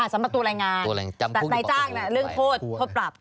สำหรับตัวแรงงานแต่นายจ้างเรื่องโทษโทษปรับ